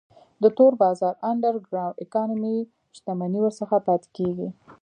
د تور بازار Underground Economy شتمنۍ ورڅخه پاتې کیږي.